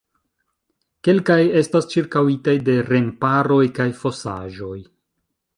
Kelkaj estas ĉirkaŭitaj de remparoj kaj fosaĵoj.